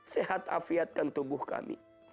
sehat afiatkan tubuh kami